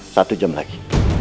satu jam lagi